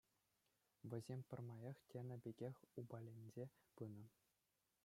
Вӗсем пӗрмаях тенӗ пекех упаленсе пынӑ.